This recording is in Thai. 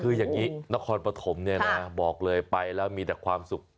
คืออย่างนี้นครปฐมเนี่ยนะบอกเลยไปแล้วมีแต่ความสุข